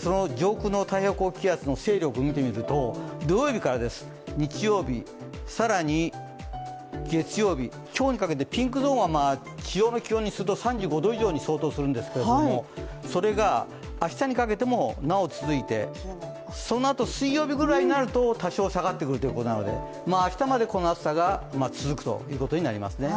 その上空の太平洋高気圧の勢力を見てみますと土曜日から日曜日、更に月曜日今日にかけてピンクゾーンは地上の気温にすると３５度相当になるんですけどそれが明日にかけてもなお続いて、そのあと水曜日くらいになると多少下がってくるということなので明日までこの暑さが続くということになりますね。